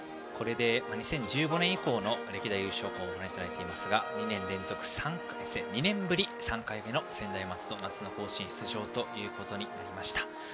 ２０１５年以降の歴代優勝校をご覧いただいていますが２年ぶり３回目の専大松戸夏の甲子園出場となりました。